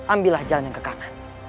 ambillah jalan yang ke kanan